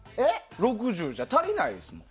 ６０じゃ、足りないですもん。